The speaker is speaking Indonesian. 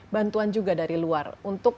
bantuan juga dari luar untuk